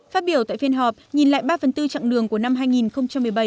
phát biểu tại phiên họp nhìn lại ba phần tư chặng đường của năm hai nghìn một mươi bảy